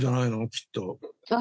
きっと。